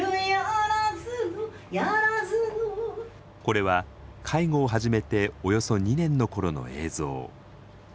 これは介護を始めておよそ２年の頃の映像。